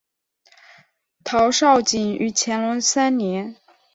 陶绍景于乾隆三年。